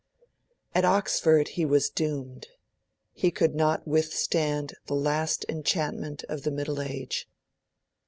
At Oxford, he was doomed. He could not withstand the last enchantment of the Middle Age.